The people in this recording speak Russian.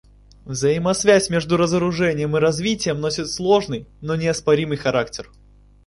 Взаимосвязь между разоружением и развитием носит сложный, но неоспоримый характер.